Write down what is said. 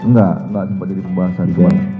enggak enggak sempat jadi pembahasan